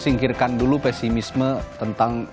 singkirkan dulu pesimisme tentang